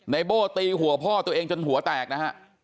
โบ้ตีหัวพ่อตัวเองจนหัวแตกนะฮะ